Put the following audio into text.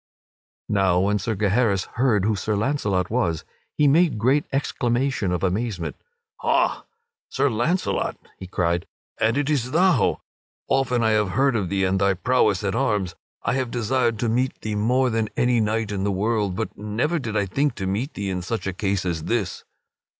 Now when Sir Gaheris heard who Sir Launcelot was, he made great exclamation of amazement. "Ha, Sir Launcelot!" he cried, "and is it thou! Often have I heard of thee and of thy prowess at arms! I have desired to meet thee more than any knight in the world; but never did I think to meet thee in such a case as this."